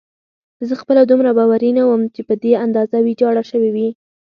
زه خپله دومره باوري نه وم چې په دې اندازه ویجاړه شوې وي.